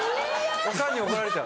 オカンに怒られちゃう。